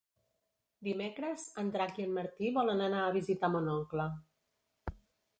Dimecres en Drac i en Martí volen anar a visitar mon oncle.